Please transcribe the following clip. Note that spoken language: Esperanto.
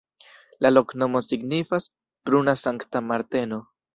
La loknomo signifas: pruna-Sankta-Marteno.